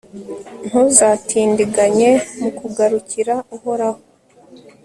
ntuzatindiganye mu kugarukira uhoraho